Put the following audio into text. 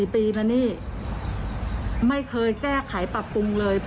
๔ปีนะนี่ไม่เคยแก้ไขปรับปรุงเลย